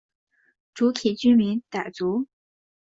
主体居民傣族。